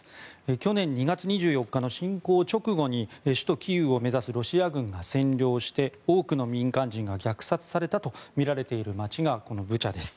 去年２月２４日の侵攻直後に首都キーウを目指すロシア軍が占領して多くの民間人が虐殺されたとみられている街がブチャです。